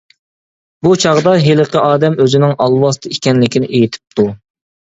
بۇ چاغدا ھېلىقى ئادەم ئۆزىنىڭ ئالۋاستى ئىكەنلىكىنى ئېيتىپتۇ.